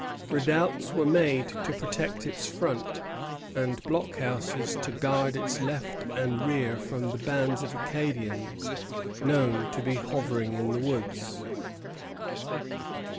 Redoubts were made to protect its front, and blockhouses to guard its left and rear from the bands of Acadians known to be hovering in the woods.